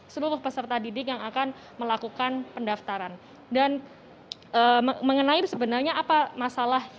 seluruh peserta didik yang akan melakukan pendaftaran dan mengenai sebenarnya apa masalah